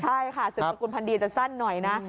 ใช่ค่ะสืบสกุลพันธ์ดีจะสั้นหน่อยนะ